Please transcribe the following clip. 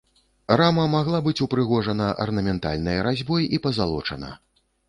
Рама магла быць упрыгожана арнаментальнай разьбой і пазалочана.